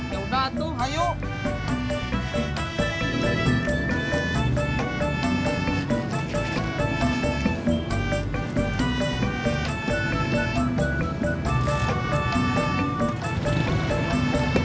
ya udah tuh hayuk